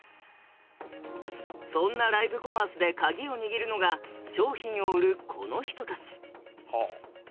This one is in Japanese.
そんなライブコマースで鍵を握るのが商品を売るこの人たち。